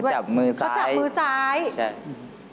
จับมือซ้ายเขาจับมือซ้ายใช่